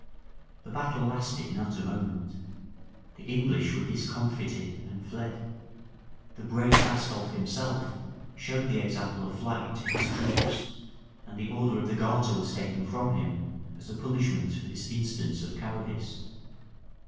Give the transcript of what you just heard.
The battle lasted not a moment: the English were discomfited and fled: the brave Fastolffe himself showed the example of flight to his troops; and the order of the garter was taken from him, as a punishment for this instance of cowardice.